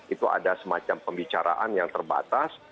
itu ada semacam pembicaraan yang terbatas